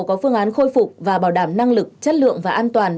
yêu cầu có phương án khôi phục và bảo đảm năng lực chất lượng và an toàn